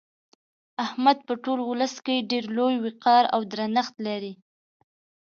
احمد په ټول ولس کې ډېر لوی وقار او درنښت لري.